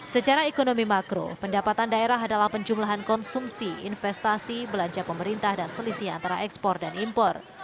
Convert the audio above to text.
secara ekonomi makro pendapatan daerah adalah penjumlahan konsumsi investasi belanja pemerintah dan selisih antara ekspor dan impor